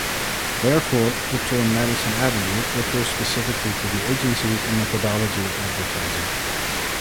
Therefore, the term "Madison Avenue" refers specifically to the agencies, and methodology of advertising.